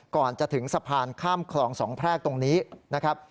ก่อนจะถึงสะพานข้ามคลองสองแพรกตรงนี้นะครับ